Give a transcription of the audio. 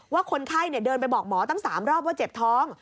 คนไข้เดินไปบอกหมอตั้ง๓รอบว่าเจ็บท้อง